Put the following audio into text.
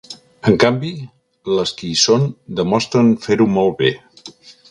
En canvi, les qui hi són demostren fer-ho molt bé.